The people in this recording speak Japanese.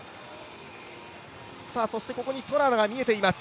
そしてここにトラが見えています。